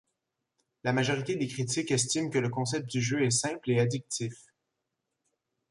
La majorité des critiques estiment que le concept du jeu est simple et addictif.